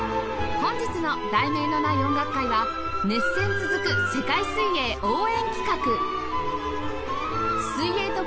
本日の『題名のない音楽会』は熱戦続く世界水泳応援企画！